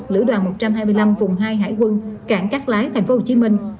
lữ đoàn một trăm hai mươi năm vùng hai hải quân cảng cắt lái thành phố hồ chí minh